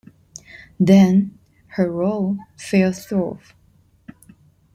Then, her role fell through.